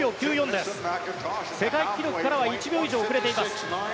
世界記録からは１秒以上遅れています。